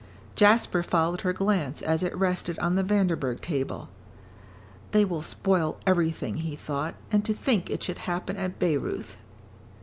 Jasper followed her glance as it rested on the Vanderburgh table. "They will spoil everything," he thought. "And to think it should happen at Bayreuth."